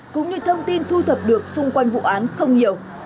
cũng như thông tin thu thập được xung quanh vụ án không nhiều